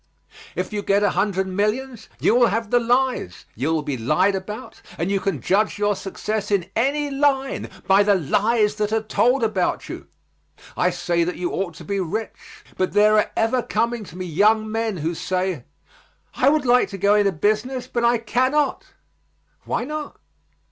If you get a hundred millions you will have the lies; you will be lied about, and you can judge your success in any line by the lies that are told about you. I say that you ought to be rich. But there are ever coming to me young men who say, "I would like to go into business, but I cannot." "Why not?"